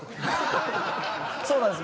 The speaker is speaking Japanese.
そうなんです。